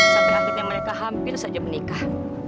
sampai akhirnya mereka hampir saja menikah